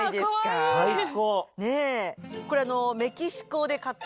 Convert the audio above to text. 最高！